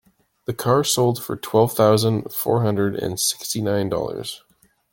The car sold for twelve thousand four hundred and sixty nine dollars.